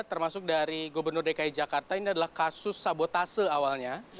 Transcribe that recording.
termasuk dari gubernur dki jakarta ini adalah kasus sabotase awalnya